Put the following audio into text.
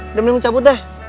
udah mending cabut dah